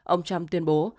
ông trump tuyên bố